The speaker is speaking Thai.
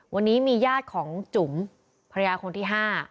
วันนี้มีญาติของจุ๋มภรรยาคนที่๕